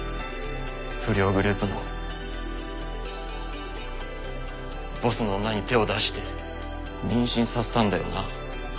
不良グループのボスの女に手を出して妊娠させたんだよな。